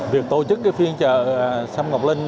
việc tổ chức phiên trợ xâm ngọc linh